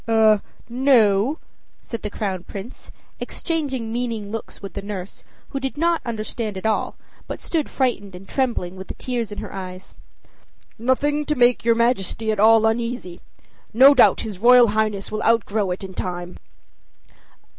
"Oh, no," said the Crown Prince, exchanging meaning looks with the nurse, who did not understand at all, but stood frightened and trembling with the tears in her eyes. "Nothing to make your Majesty at all uneasy. No doubt his Royal Highness will outgrow it in time."